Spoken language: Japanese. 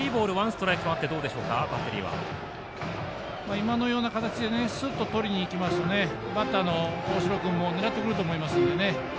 今のような形ですっと、とりにいきますとバッターの大城君も狙ってくると思いますので。